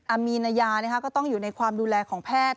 มีนายาก็ต้องอยู่ในความดูแลของแพทย์